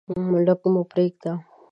لږ مو پریږده.